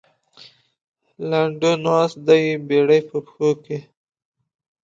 لنډو ناست دی بېړۍ په پښو کې.